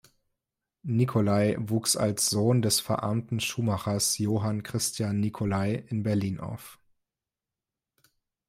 Nicolai wuchs als Sohn des verarmten Schuhmachers Johann Christian Nicolai in Berlin auf.